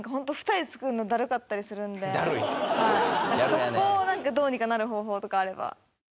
そこなんかどうにかなる方法とかあれば。